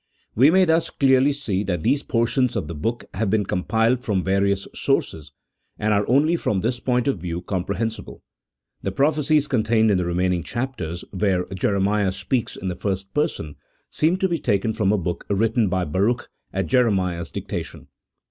We may thus clearly see that these portions of the book have been compiled from various sources, and are only from this point of view comprehensible. The prophecies con tained in the remaining chapters, where Jeremiah speaks in the first person, seem to be taken from a book written by Baruch, at Jeremiah's dictation.